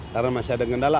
karena masih ada gendala